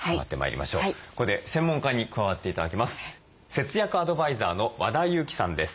節約アドバイザーの和田由貴さんです。